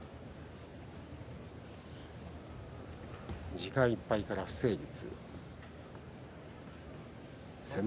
時間いっぱいから不成立。